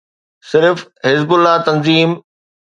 صرف حزب الله تنظيم.